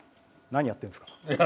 何やってるんですか。